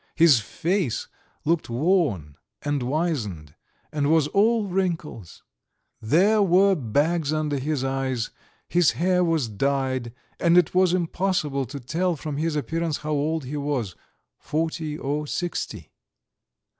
His face looked worn and wizened, and was all wrinkles; there were bags under his eyes; his hair was dyed; and it was impossible to tell from his appearance how old he was forty or sixty.